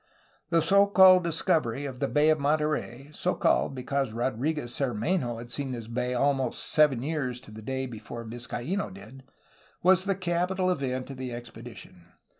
The so called discovery of the Bay of Monterey — so called, because Rodriguez Cermenho had seen this bay al most seven years to a day before Vizcaino did — was the capital event of the expedition.